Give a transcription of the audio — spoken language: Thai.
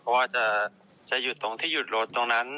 เพราะว่าจะหยุดตรงที่หยุดรถตรงนั้น